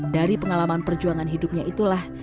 dari pengalaman perjuangan hidupnya itulah